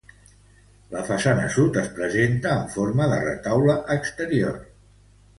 La façana sud es presenta en forma de retaule exterior.